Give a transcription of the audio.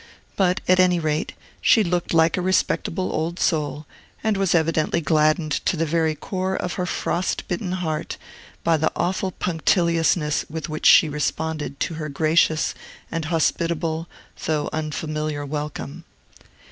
But, at any rate, she looked like a respectable old soul, and was evidently gladdened to the very core of her frost bitten heart by the awful punctiliousness with which she responded to her gracious and hospitable, though unfamiliar welcome.